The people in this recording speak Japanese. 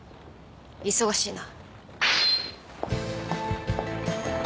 忙しいな。